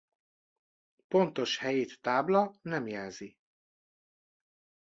Pontos helyét tábla nem jelzi.